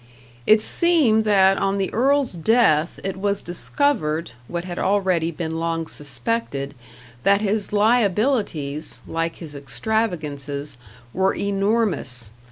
It seemed that on the earl's death it was discovered, what had already been long suspected, that his liabilities, like his extravagances, were enormous.